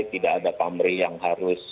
tidak ada pamri yang harus